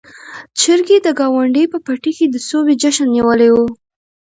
چرګې د ګاونډي په پټي کې د سوبې جشن نيولی و.